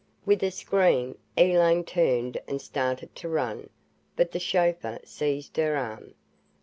With a scream, Elaine turned and started to run. But the chauffeur seized her arm.